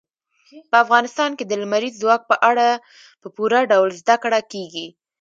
په افغانستان کې د لمریز ځواک په اړه په پوره ډول زده کړه کېږي.